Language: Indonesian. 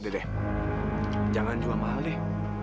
dan jangan jual mahal deh